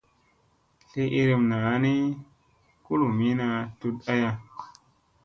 Sli iirim naa ni kulumina tut aya.